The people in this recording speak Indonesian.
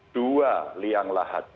dua liang lahat